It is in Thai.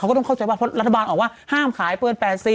ก็ต้องเข้าใจว่าเพราะรัฐบาลออกว่าห้ามขายเกิน๘๐